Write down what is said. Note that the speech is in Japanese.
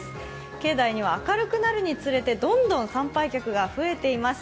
境内には明るくなるにつれて、どんどん参拝客が増えています。